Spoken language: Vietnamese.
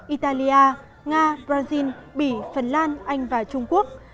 italia nga brazil bỉ phần lan anh và trung quốc